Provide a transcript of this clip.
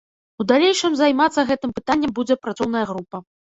У далейшым займацца гэтым пытаннем будзе працоўная група.